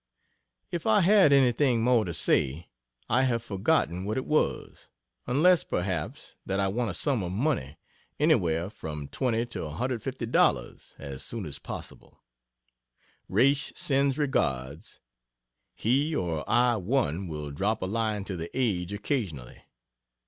If I had anything more to say I have forgotten what it was, unless, perhaps, that I want a sum of money anywhere from $20 to $150, as soon as possible. Raish sends regards. He or I, one will drop a line to the "Age" occasionally.